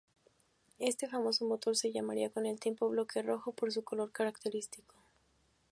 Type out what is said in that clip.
Este famoso motor se llamaría con el tiempo "bloque rojo" por su color característico.